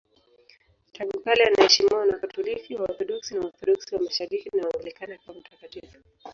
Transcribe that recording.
Tangu kale anaheshimiwa na Wakatoliki, Waorthodoksi, Waorthodoksi wa Mashariki na Waanglikana kama mtakatifu.